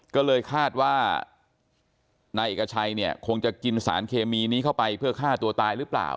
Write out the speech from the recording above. ก็เลยคาดว่านายเอกชัยเนี่ยคงจะกินสารเคมีนี้เข้าไปเพื่อฆ่าตัวตายหรือเปล่า